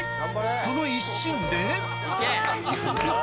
その一心で行け！